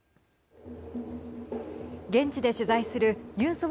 現地で取材するニュース